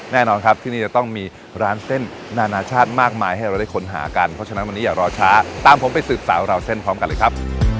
แน่นอนครับที่นี่จะต้องมีร้านเส้นนานาชาติมากมายให้เราได้ค้นหากันเพราะฉะนั้นวันนี้อย่ารอช้าตามผมไปสืบสาวราวเส้นพร้อมกันเลยครับ